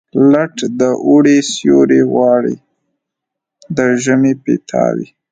لټ د اوړي سیوري غواړي، د ژمي پیتاوي.